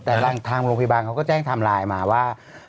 แต่ทางโรงพยาบาลเขาก็แจ้งไทม์ไลน์มาว่า